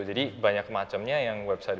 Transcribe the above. jadi banyak macamnya yang website